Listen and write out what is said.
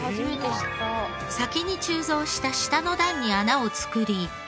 先に鋳造した下の段に穴を作り